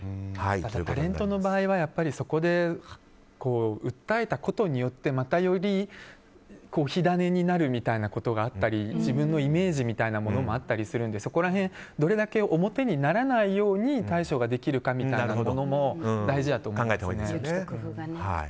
タレントの場合はそこで訴えたことによってまた、より火種になるみたいなことがあったり自分のイメージみたいなものもあったりするのでそこら辺どれだけ表にならないように対処ができるかみたいなものも大事だと思いますね。